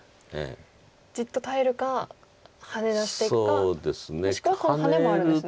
じっと耐えるかハネ出していくかもしくはこのハネもあるんですね。